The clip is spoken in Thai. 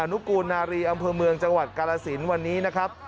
นุกูลนารีอำเภอเมืองจังหวัดกาลสินวันนี้นะครับ